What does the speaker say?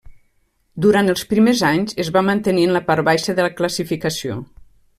Durant els primers anys, es va mantenir en la part baixa de la classificació.